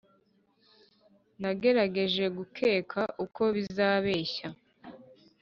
nagerageje gukeka uko bizabeshya,